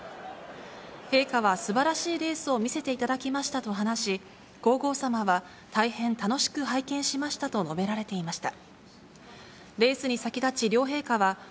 陛下はすばらしいレースを見せていただきましたと話し、皇后さまは、大変楽しく拝見しましたと述べられていました。